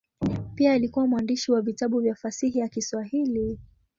Pia alikuwa mwandishi wa vitabu vya fasihi ya Kiswahili.